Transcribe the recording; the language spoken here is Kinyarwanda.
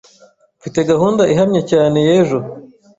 Mfite gahunda ihamye cyane y'ejo.